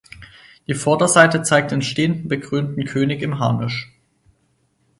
Die Vorderseite zeigt den stehenden bekrönten König im Harnisch.